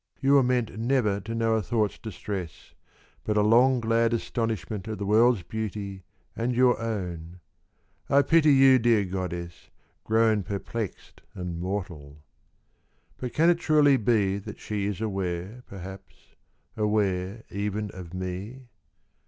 You were meant Never to know a thought's distress, But a long glad astonishment At the world's beauty and your own. I pity you, dear goddess, grown Perplexed and mortal.' But can it truly be That she is aware, perhaps, aware even of me